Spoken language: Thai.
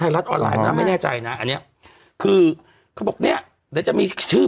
รัฐออนไลน์นะไม่แน่ใจนะอันเนี้ยคือเขาบอกเนี้ยเดี๋ยวจะมีชื่อ